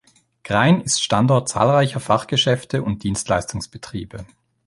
Grein ist Standort zahlreicher Fachgeschäfte und Dienstleistungsbetriebe.